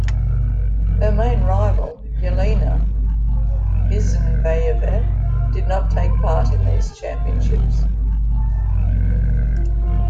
Her main rival Yelena Isinbayeva did not take part in these Championships.